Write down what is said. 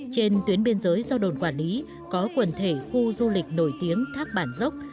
trên tuyến biên giới do đồn quản lý có quần thể khu du lịch nổi tiếng thác bản dốc